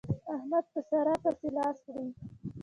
احمد په سارا پسې لاس وړي.